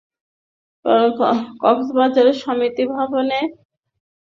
কক্সবাজার সমিতি ভবনে গিয়ে দেখা যায়, দ্বিতল ভবনের ছাদের পলেস্তারা খসে পড়েছে।